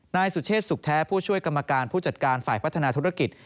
นายสุเชษสุขแท้ผู้ช่วยกรรมการผู้จัดการฝ่ายพัฒนาธุรกิจ